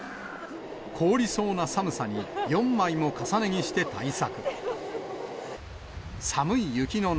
凍りそうな寒さに、４枚も重ね着して対策。